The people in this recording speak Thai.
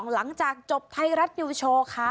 หลังจากจบไทยรัฐนิวโชว์ค่ะ